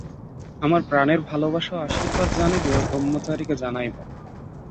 আমার প্রাণের ভালবাসা ও আশীর্বাদ জানিবে ও ব্রহ্মচারীকে জানাইবে।